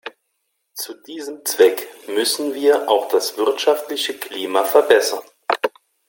Zu diesem Zweck müssen wir auch das wirtschaftliche Klima verbessern.